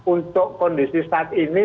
untuk kondisi saat ini